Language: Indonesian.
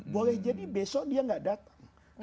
boleh jadi besok dia gak datang